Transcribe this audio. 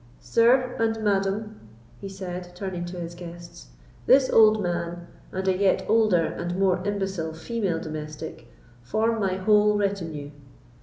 Sir and madam," he said, turning to his guests, "this old man, and a yet older and more imbecile female domestic, form my whole retinue.